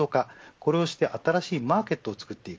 これをして新しいマーケットを作っていく。